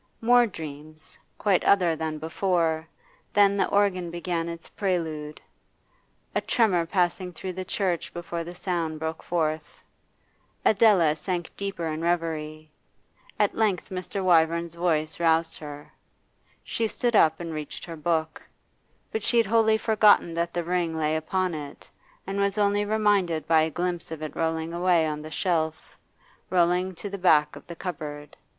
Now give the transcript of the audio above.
More dreams, quite other than before; then the organ began its prelude, a tremor passing through the church before the sound broke forth. Adela sank deeper in reverie. At length Mr. Wyvern's voice roused her; she stood up and reached her book; but she had wholly forgotten that the ring lay upon it, and was only reminded by a glimpse of it rolling away on the shelf, rolling to the back of the cupboard.